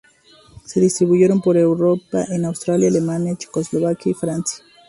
Se distribuye por Europa en Austria, Alemania, Checoslovaquia y Francia.